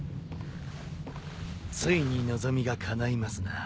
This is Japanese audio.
ついに望みがかないますな